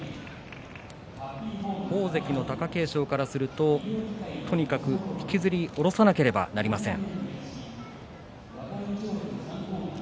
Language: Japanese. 大関の貴景勝からするととにかく引きずり下ろさなければなりません。